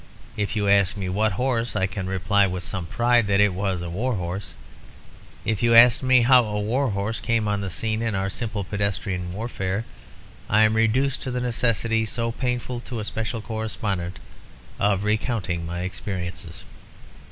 If you ask me what horse, I can reply with some pride that it was a war horse. If you ask me how a war horse came on the scene in our simple pedestrian warfare, I am reduced to the necessity, so painful to a special correspondent, of recounting my experiences.